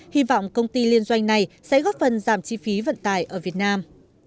hy vọng công ty liên doanh này sẽ góp phần giảm chi phí vận tải ở việt nam